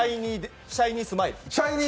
「シャイニースマイル」。